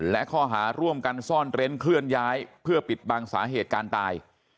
และข้อหาร่วมกันซ่อนเร้นเคลื่อนย้ายเพื่อปิดบังสาเหตุการณ์ตาย